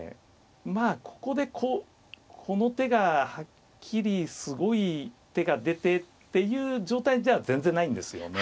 まあここでこうこの手がはっきりすごい手が出てっていう状態じゃ全然ないんですよね。